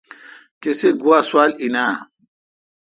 کسی گوا سوال این اؘ۔